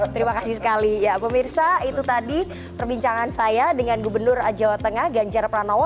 terima kasih sekali ya pemirsa itu tadi perbincangan saya dengan gubernur jawa tengah ganjar pranowo